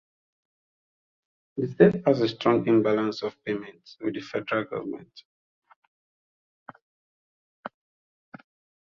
The state has a strong imbalance of payments with the federal government.